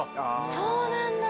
そうなんだ！